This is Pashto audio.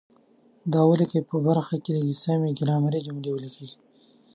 د ولیکئ په برخه کې سمې ګرامري جملې ولیکئ.